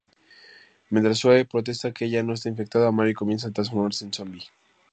Mientras Zoe protesta que ella no está infectada, Mary comienza a transformarse en zombie.